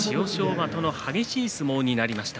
馬との激しい相撲になりました。